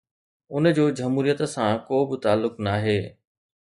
ان جو جمهوريت سان ڪو به تعلق ناهي.